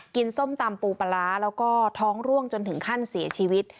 ส้มตำปูปลาร้าแล้วก็ท้องร่วงจนถึงขั้นเสียชีวิต